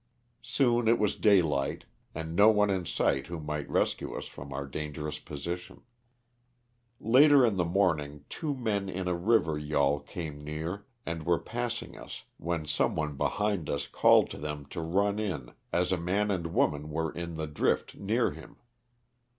Soon it was day light, and no one in sight who might rescue us from our dangerous position. Later in the morning two men in a river yawl came near and were passing us when someone behind us called to them to run in as a man and woman were in the drift near him.